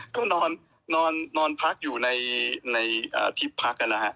ก็นอนพักอยู่ในที่พักนะฮะ